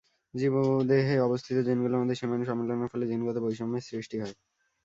জীবদেহে অবস্থিত জিনগুলোর মধ্যে সীমাহীন সম্মেলনের ফলে জিনগত বৈষম্যের সৃষ্টি হয়।